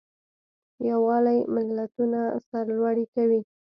یووالی ملتونه سرلوړي کوي.